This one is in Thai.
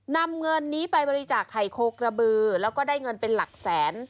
นำเงินนี้ไปบริจาคไข่โคกระบือแล้วก็ได้เงินเป็นหลักแสน